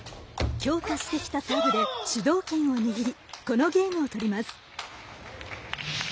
強化してきたサーブで主導権を握りこのゲームを取ります。